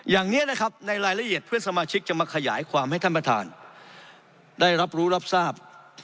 อย่างนี้นะครับในรายละเอียดเพื่อนสมาชิกจะมาขยายความให้ท่านประธานได้รับรู้รับทราบ